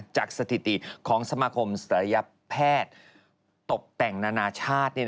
จากสถิติของสมคมสรรยะแพทย์ตกแต่งนานาชาติ